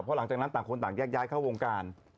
เพราะหลังจากนั้นต่างคนต่างแยกย้ายเข้าวงการ